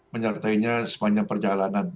menyertainya sepanjang perjalanan